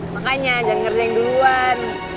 makanya jangan ngerjain duluan